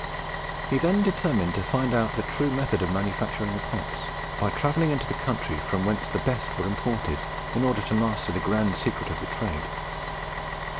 He then determined to find out the true method of manufacturing the pots, by travelling into the country from whence the best were imported, in order to master the grand secret of the trade.